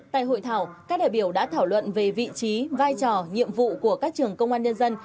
tại hội thảo các đại biểu đã thảo luận về vị trí vai trò nhiệm vụ của các trường công an nhân dân